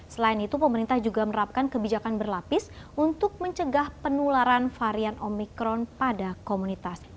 selain itu pemerintah juga menerapkan kebijakan berlapis untuk mencegah penularan varian omikron pada komunitas